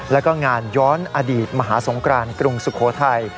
แล้วก็งานย้อนอดีตมหาสงครานกรุงสุโขทัย